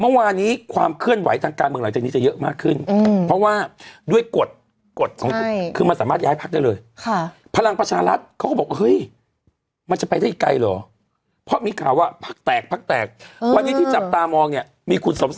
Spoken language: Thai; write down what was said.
เมื่อวานี้ความเคลื่อนไหวทางการเมืองหลังจากนี้จะเยอะมากขึ้นอืม